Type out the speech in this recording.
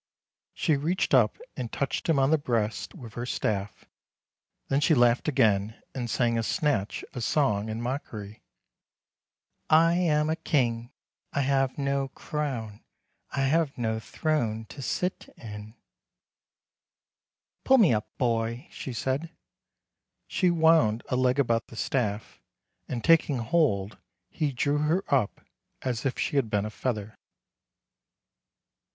She reached up and touched him on the breast with her staflf, then she laughed again, and sang a snatch of song in mockery :" I am a king, I have no crown, I have no throne to sit in —"" Pull me up, boy," she said. She wound a leg about the staff, and, taking hold, he drew her up as if she had been a feather.